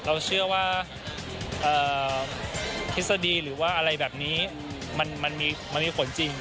เราเชื่อว่าทฤษฎีหรือว่าอะไรแบบนี้มันมีผลจริง